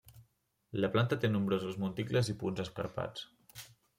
La planta té nombrosos monticles i punts escarpats.